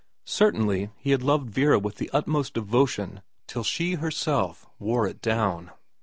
Certainly he had loved Vera with the utmost devotion till she herself wore it down.